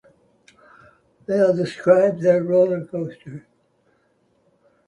They'll describe their roller coaster